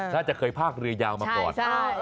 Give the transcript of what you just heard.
น่าจะเคยพากเรือยาวมาก่อน